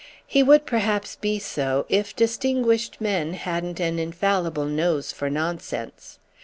"He would perhaps be so if distinguished men hadn't an infallible nose for nonsense."